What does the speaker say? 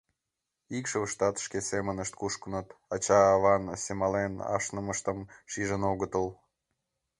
Икшывыштат шке семынышт кушкыныт, ача-аван семален ашнымыштым шижын огытыл.